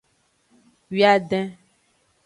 Wiaden.